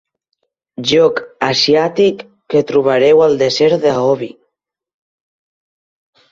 Joc asiàtic que trobareu al desert de Gobi.